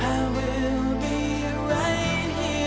ท่านตาจิน